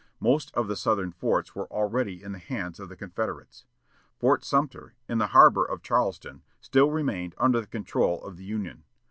Most of the Southern forts were already in the hands of the Confederates. Fort Sumter, in the harbor of Charleston, still remained under the control of the Union.